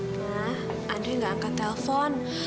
mama andri gak angkat telepon